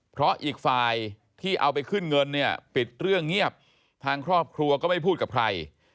เพราะอีกฝ่ายที่เอาไปขึ้นเงินเนี่ยปิดเรื่องเงียบทางครอบครัวก็ไม่พูดกับใคร